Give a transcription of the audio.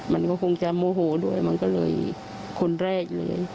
มันก็คงจะโมโหด้วยมันก็เลยคนแรกเลย